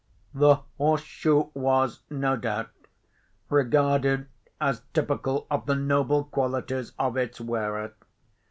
"The horse shoe was, no doubt, regarded as typical of the noble qualities of its wearer.